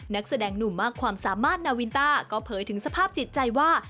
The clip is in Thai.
นักแสดงหนุ่มมากความสามารถนาวินต้าก็เผยถึงสภาพจิตใจว่า